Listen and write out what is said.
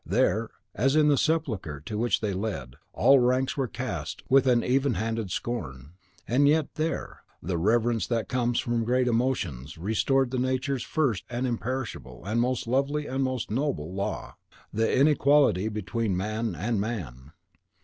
There, as in the sepulchre to which they led, all ranks were cast with an even handed scorn. And yet there, the reverence that comes from great emotions restored Nature's first and imperishable, and most lovely, and most noble Law, THE INEQUALITY BETWEEN MAN AND MAN!